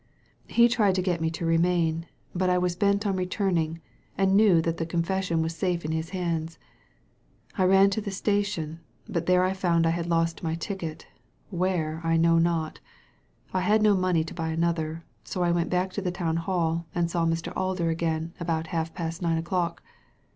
He tried to get me to remain, but I was bent on return ing, and knew that the confession was safe in his hands. I ran to the station, but there found I had lost my ticket, where I know not I had no money to buy another, so I went back to the Town Hall and saw Mr. Alder again about half past nine o'clock.